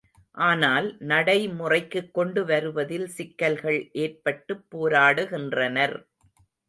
ஆனால் நடை முறைக்குக் கொண்டு வருவதில் சிக்கல்கள் ஏற்பட்டுப் போராடுகின்றனர்.